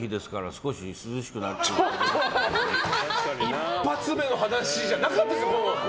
１発目の話じゃなかったですね。